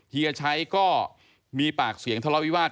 เฮียชัยก็มีปากเสียงทะเลาวิวาส